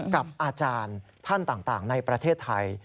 กับอาจารย์ท่านต่างในประเทศไทย